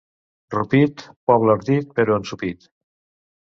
Rupit, poble ardit, però ensopit.